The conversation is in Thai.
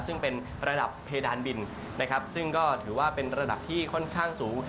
ซึ่งเป็นระดับเพดานบินนะครับซึ่งก็ถือว่าเป็นระดับที่ค่อนข้างสูง